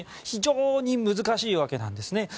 非常に難しいわけなんです。